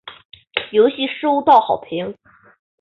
游戏收到好评。